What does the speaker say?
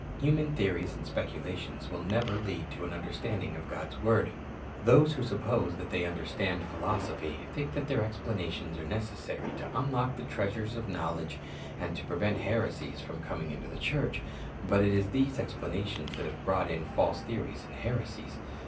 Human theories and speculations will never lead to an understanding of God's word. Those who suppose that they understand philosophy think that their explanations are necessary to lyilock the treasures of knowledge and to pre vent heresies from coming into the church. But it is these explanations that have brought in false theories and heresies.